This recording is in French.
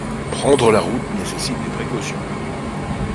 Prendre la route nécessite des précautions.